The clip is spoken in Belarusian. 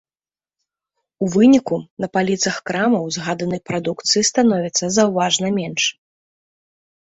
У выніку на паліцах крамаў згаданай прадукцыі становіцца заўважна менш.